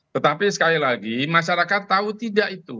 tetapi sekali lagi masyarakat tahu tidak itu